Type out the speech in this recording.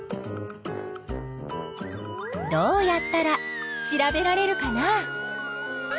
どうやったら調べられるかな？